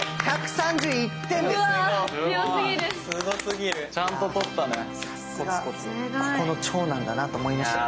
さすがここの長男だなと思いましたよ。